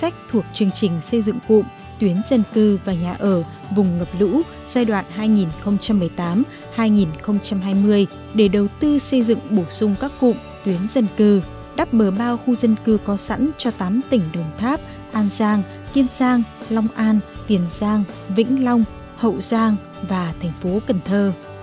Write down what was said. chương trình xây dựng cụm tuyến dân cư và nhà ở vùng ngập lũ giai đoạn hai nghìn một mươi tám hai nghìn hai mươi để đầu tư xây dựng bổ sung các cụm tuyến dân cư đắp mở bao khu dân cư có sẵn cho tám tỉnh đồng tháp an giang kiên giang long an tiền giang vĩnh long hậu giang và tp cần thơ